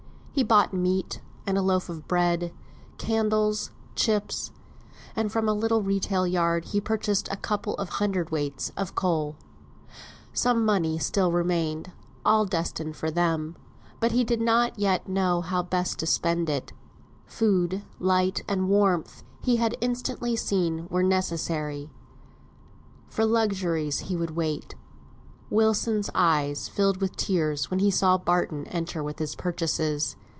He bought meat, and a loaf of bread, candles, chips, and from a little retail yard he purchased a couple of hundredweights of coals. Some money yet remained all destined for them, but he did not yet know how best to spend it. Food, light, and warmth, he had instantly seen were necessary; for luxuries he would wait. Wilson's eyes filled with tears when he saw Barton enter with his purchases.